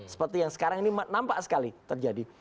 seperti yang sekarang ini nampak sekali terjadi